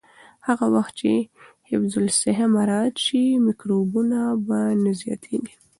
هغه وخت چې حفظ الصحه مراعت شي، میکروبونه به نه زیاتېږي.